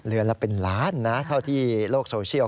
เดือนละเป็นล้านนะเท่าที่โลกโซเชียล